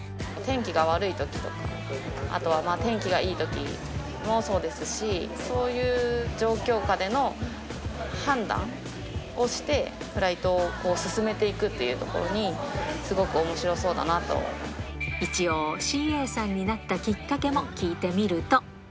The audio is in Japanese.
天気が悪いときとか、あとは天気がいいときもそうですし、そういう状況下での判断をして、フライトを進めていくっていうところに、すごくおもしろそうだな一応、ＣＡさんになったきっかけも聞いてみると。